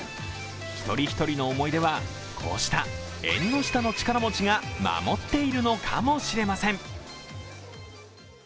１人１人の思い出は、こうした縁の下の力持ちが守っているのかもしれません。